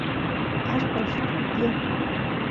allpa lluspi tiyan